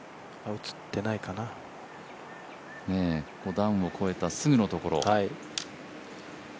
段を越えたすぐのところ。